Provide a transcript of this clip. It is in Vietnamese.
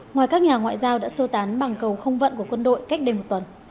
ngoài các nhà ngoại giao đã sơ tán bằng cầu không vận của quân đội cách đây một tuần